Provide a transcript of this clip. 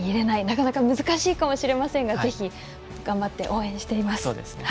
なかなか難しいかもしれませんがぜひ、頑張ってほしいです。